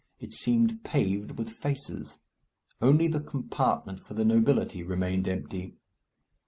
It seemed paved with faces. Only the compartment for the nobility remained empty.